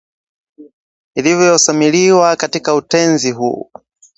ilivyosawiriwa katika utenzi huu